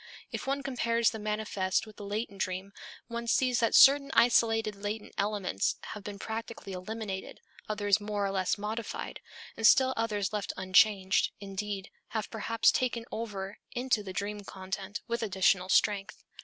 If one compares the manifest with the latent dream one sees that certain isolated latent elements have been practically eliminated, others more or less modified, and still others left unchanged, indeed, have perhaps been taken over into the dream content with additional strength.